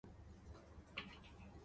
吃鸡